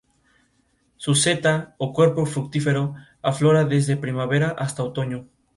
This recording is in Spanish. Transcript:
Francisco de Orellana resultó elegido por unanimidad.